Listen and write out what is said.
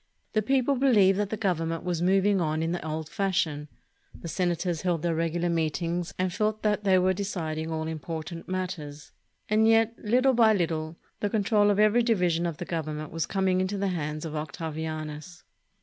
The people believed that the Government was moving on in the old fashion, the senators held their regular meetings and felt that they were deciding all important mat ters; and yet, Httle by little, the control of every divi sion of the Government was coming into the hands of Octavianus.